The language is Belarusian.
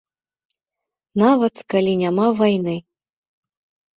Нават калі няма вайны.